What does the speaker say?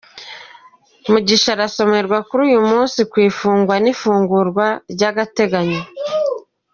Mugisha arasomerwa kuri uyu munsi ku ifungwa n’ifungurwa ry’agateganyo.